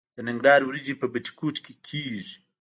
د ننګرهار وریجې په بټي کوټ کې کیږي.